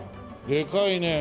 でかいね。